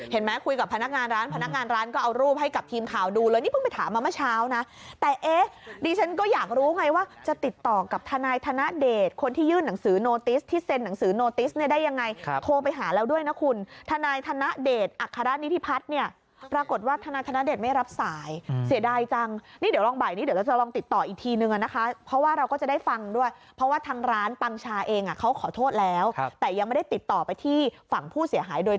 เห็นมั้ยคุยกับพนักงานร้านพนักงานร้านก็เอารูปให้กับทีมข่าวดูเลยนี่เพิ่งไปถามมาเมื่อเช้านะแต่เอ๊ะดิฉันก็อยากรู้ไงว่าจะติดต่อกับทนายธนเดตคนที่ยื่นหนังสือนโนติสที่เซ็นหนังสือนโนติสเนี่ยได้ยังไงครับโค้งไปหาแล้วด้วยนะคุณทนายธนเดตอักษณะนิทิพัฒน์เนี่ยปรากฏว่าทนาย